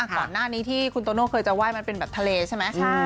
ก่อนหน้านี้ที่คุณโตโน่เคยจะไห้มันเป็นแบบทะเลใช่ไหม